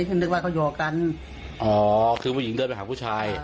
ซึ่งนึกว่าเขาอยู่กันอ๋อคือผู้หญิงเดินไปหาผู้ชาย